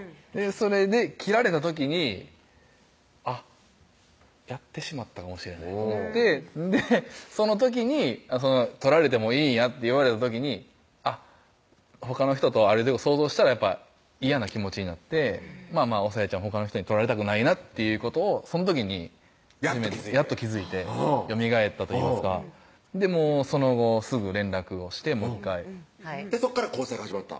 それで切られた時にあっやってしまったかもしれないと思ってでその時に「取られてもいいんや」って言われた時にほかの人と歩いてるとこ想像したらやっぱ嫌な気持ちになっておさやちゃんほかの人に取られたくないなっていうことをその時にやっと気付いてよみがえったといいますかその後すぐ連絡をしてもう１回そこから交際が始まった？